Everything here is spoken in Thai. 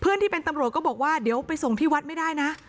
ที่เป็นตำรวจก็บอกว่าเดี๋ยวไปส่งที่วัดไม่ได้นะ